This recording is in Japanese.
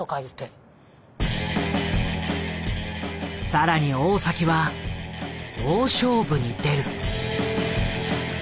更に大は大勝負に出る。